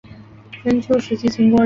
春秋时期秦国人。